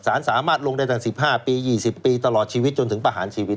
สารสามารถลงได้ตั้งสิบห้าปียี่สิบปีตลอดชีวิตจนถึงประหารชีวิต